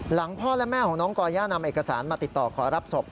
พ่อและแม่ของน้องก่อย่านำเอกสารมาติดต่อขอรับศพ